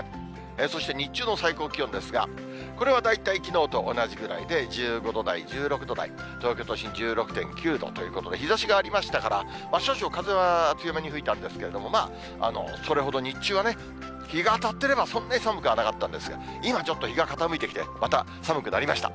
そして日中の最高気温ですが、これは大体きのうと同じぐらいで１５度台、１６度台、東京都心１６．９度ということで、日ざしがありましたから、少々風は強めに吹いたんですけれども、それほど日中はね、日が当たってればそんなに寒くなかったんですが、今、ちょっと日が傾いてきて、また寒くなりました。